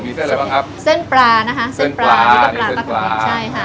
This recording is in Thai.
มีเส้นอะไรบ้างครับเส้นปลานะฮะเส้นปลามีเส้นปลามีเส้นปลาใช่ค่ะ